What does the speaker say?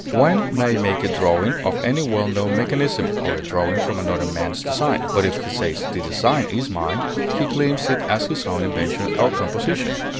One may make a drawing of any well known mechanism, or a drawing from another man's design; but if he says, "The design is mine," he claims it as his own invention or composition.